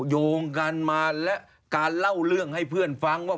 โยงกันมาและการเล่าเรื่องให้เพื่อนฟังว่า